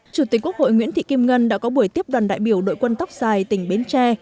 chủ tịch quốc hội nguyễn thị kim ngân đã có buổi tiếp đoàn đại biểu đội quân tóc dài tỉnh bến tre